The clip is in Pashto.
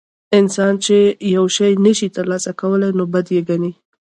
انسان چې یو شی نشي ترلاسه کولی نو بد یې ګڼي.